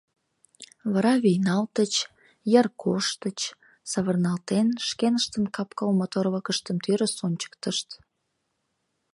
Вара вийналтыч, йыр коштыч, савырналтен, шкеныштын кап-кыл моторлыкыштым тӱрыс ончыктышт.